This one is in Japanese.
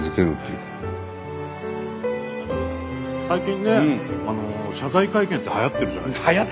最近ね謝罪会見ってはやってるじゃないですか。